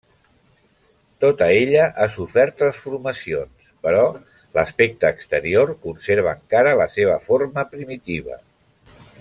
Tota ella ha sofert transformacions però l'aspecte exterior conserva encara la seva forma primitiva.